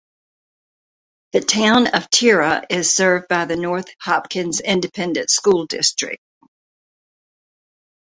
The Town of Tira is served by the North Hopkins Independent School District.